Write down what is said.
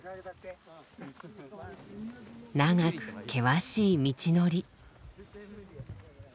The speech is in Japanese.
長く険しい道のり。